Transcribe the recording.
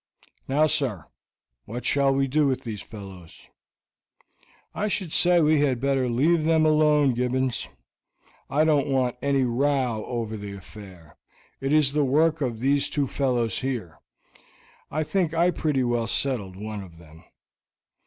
"Now sir, what shall we do with these fellows?" "I should say we had better leave them alone, Gibbons. I don't want any row over the affair. It is the work of these two fellows here. I think I pretty well settled one of them."